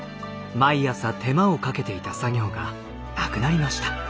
毎朝手間をかけていた作業がなくなりました。